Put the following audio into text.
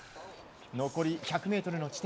残り１００ｍの地点。